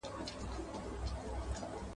له خپلي برخي تېښته نسته، د بل د برخي وېش نسته.